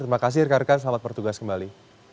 terima kasih rekan rekan selamat bertugas kembali